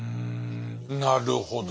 なるほど。